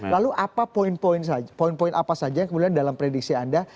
lalu apa poin poin saja poin poin apa saja yang kemudian dalam prediksi anda